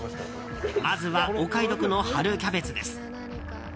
まずはお買い得の春キャベツです。